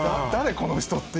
この人っていう。